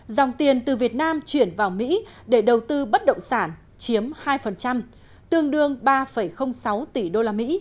dòng tiền từ việt nam chuyển vào mỹ để đầu tư bất động sản chiếm hai tương đương ba sáu tỷ usd